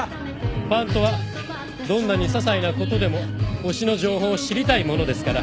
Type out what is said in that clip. ファンとはどんなにささいなことでも推しの情報を知りたいものですから。